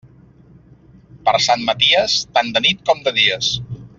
Per Sant Maties, tant de nit com de dies.